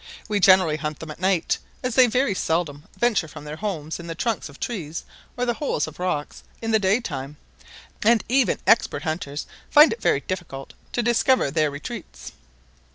We generally hunt them at night, as they very seldom venture from their homes in the trunks of trees or the holes of rocks in the daytime, and even expert hunters find it very difficult to discover their retreats."